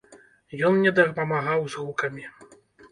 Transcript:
Ён мне дапамагаў з гукамі.